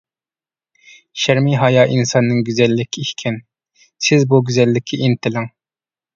شەرمى-ھايا ئىنساننىڭ گۈزەللىكى ئىكەن، سىز بۇ گۈزەللىككە ئىنتىلىڭ.